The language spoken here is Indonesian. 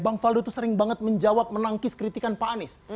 bang faldo tuh sering banget menjawab menangkis kritikan pak anies